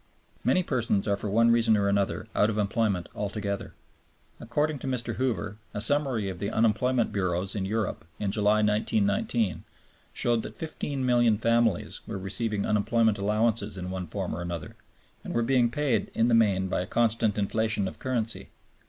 Many persons are for one reason or another out of employment altogether. According to Mr. Hoover, a summary of the unemployment bureaus in Europe in July, 1919, showed that 15,000,000 families were receiving unemployment allowances in one form or another, and were being paid in the main by a constant inflation of currency.